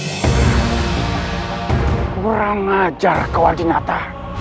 kurang ajar kau adinata